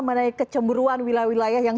menurut saya kecemburuan wilayah wilayah yang